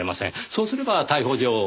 そうすれば逮捕状を。